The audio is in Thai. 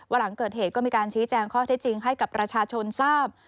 หลังเกิดเหตุก็มีการชี้แจงข้อเท็จจริงให้กับประชาชนทราบ